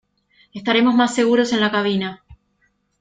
Estaremos más seguros en la cabina.